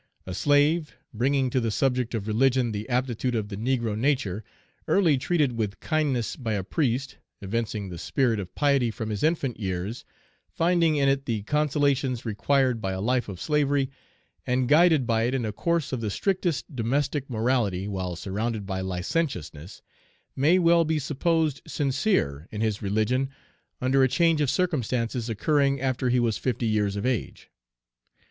A slave, bringing to the subject of religion the aptitude of the negro nature, early treated with kindness by a priest, evincing the spirit of piety from his infant years, finding in it the consolations Page 339 required by a life of slavery, and guided by it in a course of the strictest domestic morality while surrounded by licentiousness, may well be supposed sincere in his religion under a change of circumstances occurring after he was fifty years of age.